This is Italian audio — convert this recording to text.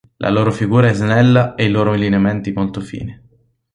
La loro figura è snella e i loro lineamenti molto fini.